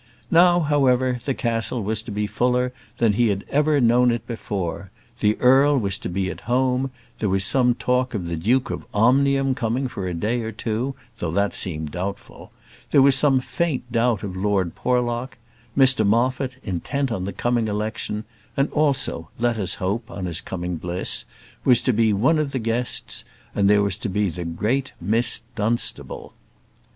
Now, however, the castle was to be fuller than he had ever before known it; the earl was to be at home; there was some talk of the Duke of Omnium coming for a day or two, though that seemed doubtful; there was some faint doubt of Lord Porlock; Mr Moffat, intent on the coming election and also, let us hope, on his coming bliss was to be one of the guests; and there was also to be the great Miss Dunstable.